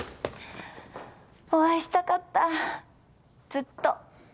お会いしたかったずっと。